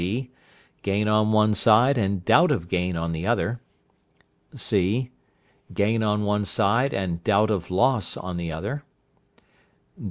(b). Gain on one side, and doubt of gain on the other. (c). Gain on one side, and doubt of loss on the other.